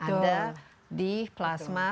ada di plasma